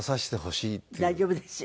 大丈夫ですよ。